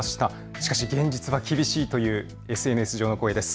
しかし現実は厳しいというＳＮＳ上の声です。